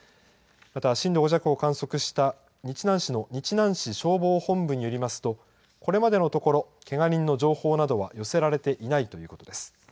また震度５弱を観測した日南市の日南市消防本部によりますと、これまでのところ、けが人の情報などは寄せられていないということです。